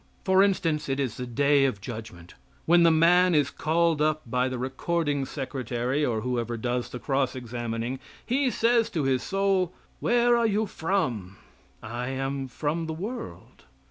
For instance it is the day of judgment. When the man is called up by the recording secretary, or whoever does the cross examining, he says to his soul "Where are you from?" "I am from the world."